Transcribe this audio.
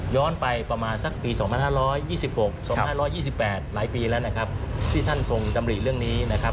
ย้อนไปประมาณสักปี๒๕๒๖๒๕๒๘หลายปีแล้วที่ท่านทรงดำรีเรื่องนี้